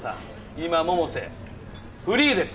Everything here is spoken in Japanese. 今百瀬フリーです！